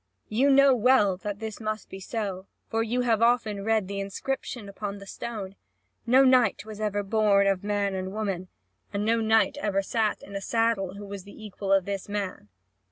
You know well that this must be so, for you have often read the inscription upon the stone. No knight was ever born of man and woman, and no knight ever sat in a saddle, who was the equal of this man."